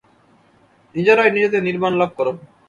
নিজেরাই নিজেদের নির্বাণ লাভ কর।